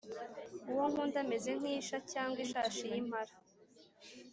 Uwo nkunda ameze nk’isha cyangwa ishashi y’impara.